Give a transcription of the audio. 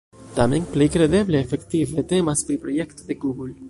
Tamen plej kredeble efektive temas pri projekto de Google.